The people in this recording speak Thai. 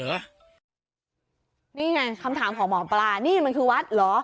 นี่ไงคำถามของหมอปลานี่มันคือวัดเหรอ